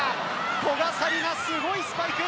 古賀紗理那、すごいスパイク。